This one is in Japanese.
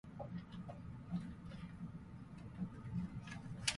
君は鉄塔を眺めながら、終わりだね、と言う。僕はうなずく。